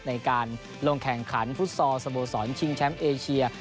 ในการลงแข่งขันฟุตซอลสโมสรชิงแชมป์เอเชีย